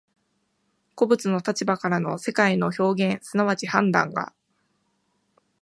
個物の立場からの世界の表現即ち判断が、